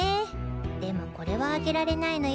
でもこれはあげられないのよ。